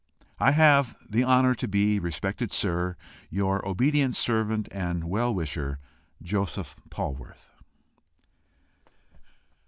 I have the honour to be, respected sir, "Your obedient servant and well wisher, "Joseph Polwarth."